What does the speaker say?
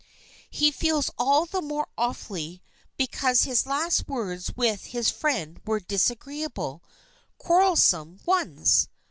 He feels all the more awfully because his last words with his friend were disagreeable, quarrelsome ones.